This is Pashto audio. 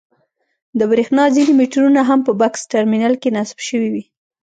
د برېښنا ځینې مېټرونه هم په بکس ټرمینل کې نصب شوي وي.